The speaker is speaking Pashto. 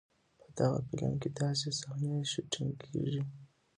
په دغه فلم کې داسې صحنې شوټېنګ کېږي.